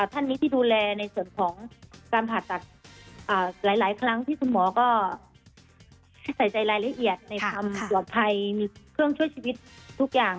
ท่านนี้ที่ดูแลในส่วนของการผ่าตัดหลายครั้งที่คุณหมอก็ใส่ใจรายละเอียดในความปลอดภัยมีเครื่องช่วยชีวิตทุกอย่าง